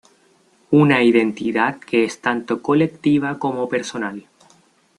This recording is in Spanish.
Una identidad que es tanto colectiva como personal".